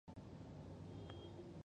لا ښکلې، ړون، او نکيمرغه اوسه👏